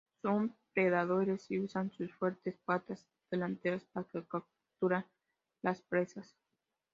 Son predadores y usan sus fuertes patas delanteras para capturar las presas.